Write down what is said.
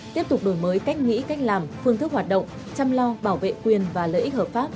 tiếp tục đổi mới cách nghĩ cách làm phương thức hoạt động chăm lo bảo vệ quyền và lợi ích hợp pháp